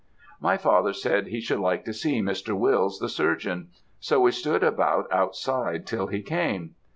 "My father said, he should like to see Mr. Wills, the surgeon; so we stood about outside till he came.